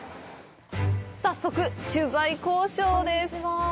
早速、取材交渉です。